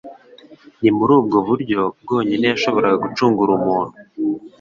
Ni muri ubwo buryo bwonyine yashoboraga gucurugura umuntu